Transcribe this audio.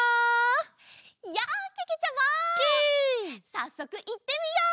さっそくいってみよう！